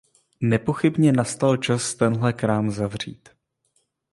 Nepochybně nastal čas tenhle krám zavřít.